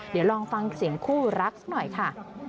เดี๋ยวลองฟังเสียงคู่รักสักหน่อยค่ะ